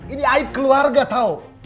ini aib keluarga tau